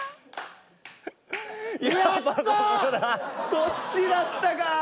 そっちだったかー！